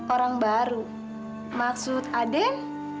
orang baru maksud aden